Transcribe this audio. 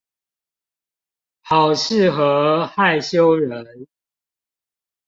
好適合害羞人